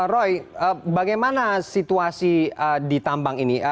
roy bagaimana situasi di tambang ini